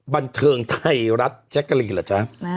บันเทิงไทยรัฐแช็คกาลีล่ะจ๊ะ